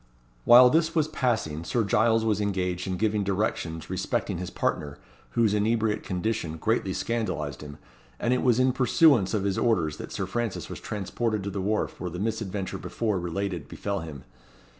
While this was passing, Sir Giles was engaged in giving directions respecting his partner, whose inebriate condition greatly scandalized him; and it was in pursuance of his orders that Sir Francis was transported to the wharf where the misadventure before related befel him.